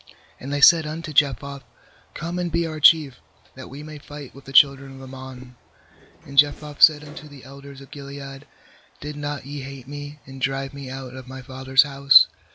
6And they said unto Jephthah: 'Come and be our chief, that we may fight with the children of Ammon.' 7And Jephthah said unto the elders of Gilead: 'Did not ye hate me, and drive me out of my father's house?